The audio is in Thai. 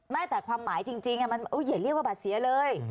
ไม่แต่ความหมายจริงอย่าเรียกว่าบัตรเสียเลย